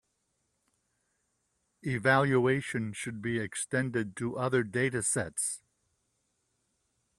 Evaluation should be extended to other datasets.